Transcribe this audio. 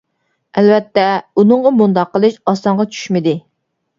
ئەلۋەتتە، ئۇنىڭغا بۇنداق قىلىش ئاسانغا چۈشمىدى.